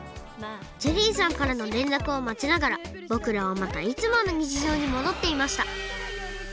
ジェリーさんからのれんらくをまちながらぼくらはまたいつものにちじょうにもどっていました。